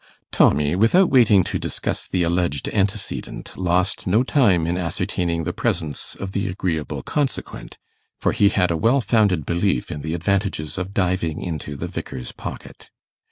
Tommy, without waiting to discuss the alleged antecedent, lost no time in ascertaining the presence of the agreeable consequent, for he had a well founded belief in the advantages of diving into the Vicar's pocket.